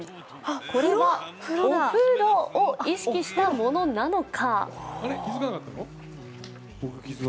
これはおふろを意識したものなのか